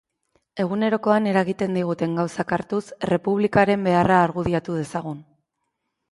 Egunerokoan eragiten diguten gauzak hartuz, Errepublikaren beharra argudiatu dezagun.